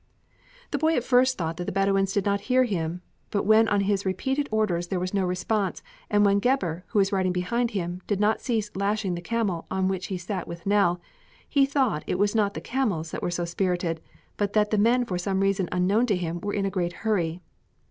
The boy thought at first that the Bedouins did not hear him, but when on his repeated orders there was no response and when Gebhr, who was riding behind him, did not cease lashing the camel on which he sat with Nell, he thought it was not the camels that were so spirited but that the men for some reason unknown to him were in a great hurry.